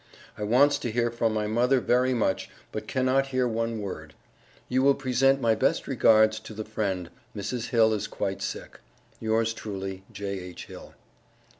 I wants to hear from my mother very much, but cannot hear one word. You will present my best regards to the friend. Mrs. Hill is quite sick. Yours truly, J.H. HILL.